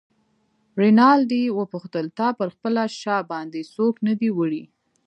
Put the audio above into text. رینالډي وپوښتل: تا پر خپله شا باندې څوک نه دی وړی؟